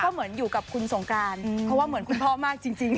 ก็เหมือนอยู่กับคุณสงการเพราะว่าเหมือนคุณพ่อมากจริง